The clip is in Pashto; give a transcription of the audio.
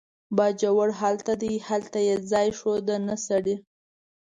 باجوړ هغلته دی، هغلته یې ځای ښوده، نه سړی.